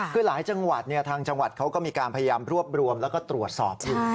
คือหลายจังหวัดทางจังหวัดเขาก็มีการพยายามรวบรวมแล้วก็ตรวจสอบคุณ